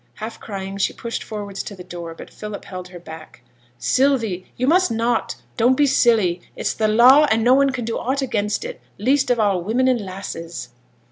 Half crying, she pushed forwards to the door; but Philip held her back. 'Sylvie! you must not. Don't be silly; it's the law, and no one can do aught against it, least of all women and lasses.